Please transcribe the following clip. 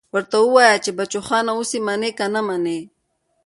ورته ووايه چې بچوخانه اوس يې منې که نه منې.